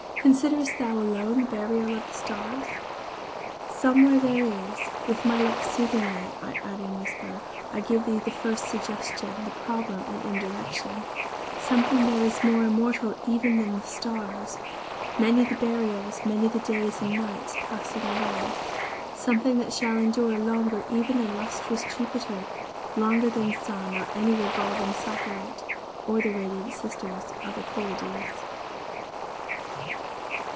Considerest thou alone the burial of the stars? Somewhere there is, (With my lips soothing thee, adding I whisper, I give thee the first suggestion, the problem and indirection,) Something there is more immortal even than the stars, (Many the burials, many the days and nights, passing away,) Something that shall endure longer even than lustrous Jupiter, Longer than sun or any revolving satellite, Or the radient sisters of the Pleiades.